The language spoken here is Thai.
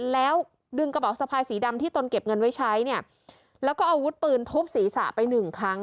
แล้วดึงกระเป๋าสะพายสีดำที่ตนเก็บเงินไว้ใช้เนี่ยแล้วก็อาวุธปืนทุบศีรษะไปหนึ่งครั้ง